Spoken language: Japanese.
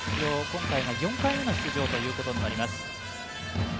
今回が４回目の出場ということになります。